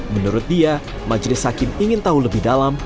menurut dia majelis hakim ingin tahu lebih dalam